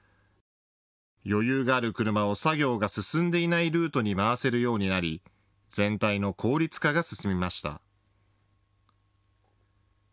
余裕がある車を作業が進んでいないルートに回せるようになり全体の効率化が進みました。